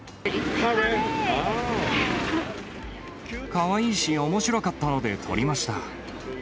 かわいいし、おもしろかったので撮りました。